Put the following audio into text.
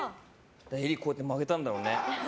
襟をこうやって曲げたんだろうね。